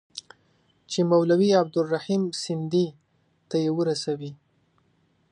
چي مولوي عبدالرحیم سندي ته یې ورسوي.